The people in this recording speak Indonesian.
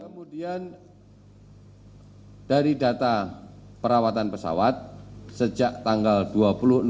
kemudian dari data perawatan pesawat sejak tanggal dua puluh enam